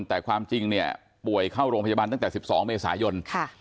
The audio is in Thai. แต่ความจริงเนี่ยป่วยเข้าโรงพยาบาลตั้งแต่๑๒เมษายน